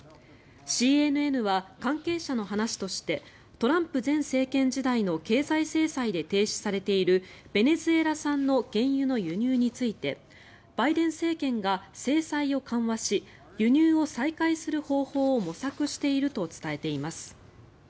ＣＮＮは関係者の話としてトランプ前政権時代の経済制裁で停止されているベネズエラ産の原油の輸入についてバイデン政権が制裁を緩和し輸入を再開する方法を模索していると伝えています。